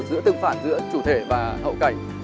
giữa tương phản giữa chủ thể và hậu cảnh